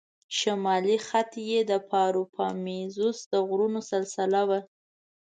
شمالي خط یې د پاروپامیزوس د غرونو سلسله وه.